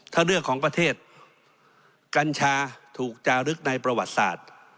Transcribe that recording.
ถ้าเรื่องของประเทศกัญชาถูกจารึกในประวัติศาสตร์